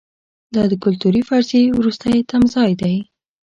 دا د کلتوري فرضیې وروستی تمځای دی.